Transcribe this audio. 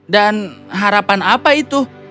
dan harapan apa itu